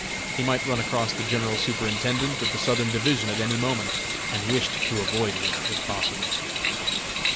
He might run across the General Superintendent of the Southern Division at any moment, and wished to avoid him if possible.